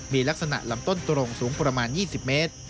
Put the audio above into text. มีลักษณะลำต้นตรงสูงประมาณ๒๐เมตร